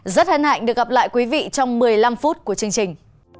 rất hân hạnh được gặp lại quý vị trong một mươi năm phút của chương trình